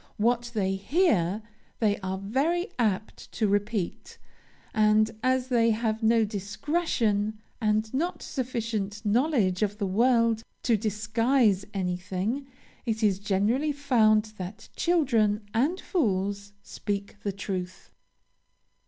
What they hear, they are very apt to repeat; and, as they have no discretion, and not sufficient knowledge of the world to disguise anything, it is generally found that 'children and fools speak the truth.'